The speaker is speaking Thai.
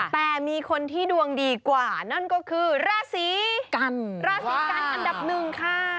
แต่มีคนที่ดวงดีกว่านั่นก็คือราศีกันราศีกันอันดับหนึ่งค่ะ